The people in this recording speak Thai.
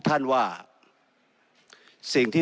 ในฐานะรัฐสภาวนี้ตั้งแต่ปี๒๖๒